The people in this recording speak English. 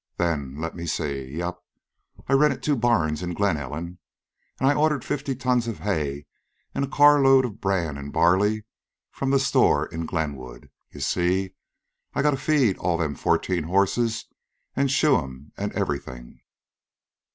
Then... lemme see... yep, I rented two barns in Glen Ellen, an' I ordered fifty tons of hay an' a carload of bran an' barley from the store in Glenwood you see, I gotta feed all them fourteen horses, an' shoe 'm, an' everything.